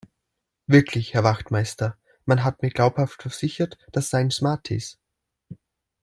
Wirklich, Herr Wachtmeister, man hat mir glaubhaft versichert, das seien Smarties.